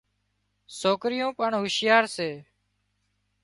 سوڪريو پڻ هوشيارا سي